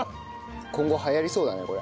今後流行りそうだねこれ。